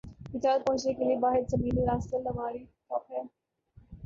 چترال پہنچنے کے لئے واحد زمینی راستہ لواری ٹاپ ہے ۔